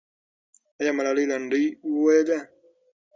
آیا ملالۍ لنډۍ وویلې؟